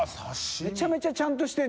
めちゃめちゃちゃんとしてる。